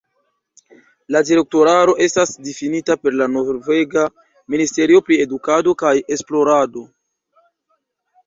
La direktoraro estas difinita per la norvega ministerio pri eduko kaj esplorado.